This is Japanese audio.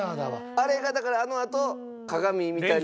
あれがだからあのあと鏡みたいに。